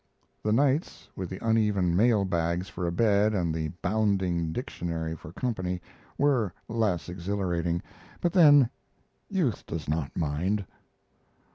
The nights, with the uneven mail bags for a bed and the bounding dictionary for company, were less exhilarating; but then youth does not mind.